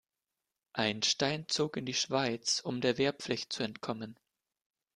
Einstein zog in die Schweiz, um der Wehrpflicht zu entkommen.